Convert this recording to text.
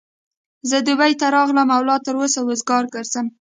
زه دبۍ ته راغلم او لا تر اوسه وزګار ګرځم.